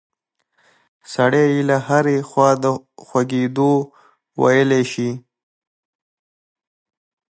سړی یې له هرې خوا د خوږېدو ویلی شي.